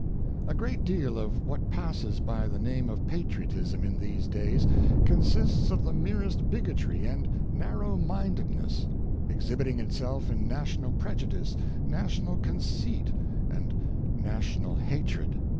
A great deal of what passes by the name of patriot ism in these days consists of the merest bigotry and narrow mindedness; exhibiting itself in national preju dice, national conceit, and national hatred.